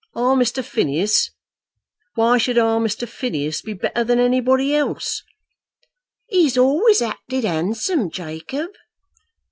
Our Mr. Phineas! Why should our Mr. Phineas be better than anybody else?" "He's always acted handsome, Jacob."